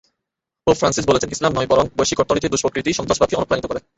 Pope Francis বলেছেন, ইসলাম নয়, বরং বৈশ্বিক অর্থনীতির দুষ্প্রকৃতিই সন্ত্রাসবাদকে অনুপ্রাণিত করে।